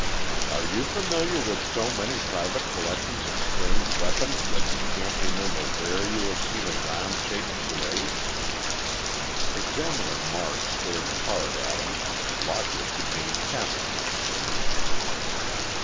"Are you familiar with so many private collections of strange weapons that you can't remember where you have seen a round shaped blade?" Examiner Marsh stared hard at him and Lockwood became taciturn again.